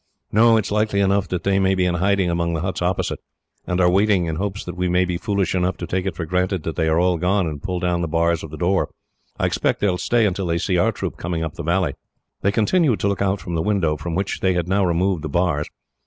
"No. It is likely enough that they may be in hiding among the huts opposite, and are waiting, in hopes that we may be foolish enough to take it for granted that they are all gone, and pull down the bars of the door. I expect they will stay until they see our troop coming up the valley." They continued to look out from the window, from which they had now removed the bars.